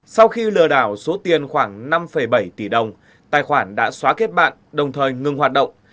sau khi lừa đảo số tiền khoảng năm bảy tỷ đồng tài khoản đã xóa kết bạn đồng thời ngừng hoạt động